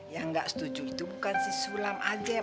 yang gak setuju itu bukan sisulam aja